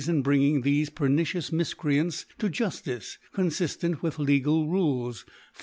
in .bringing thc{e pernicious Mifci^ants to Juftkc, confiftent with {^gal Rules.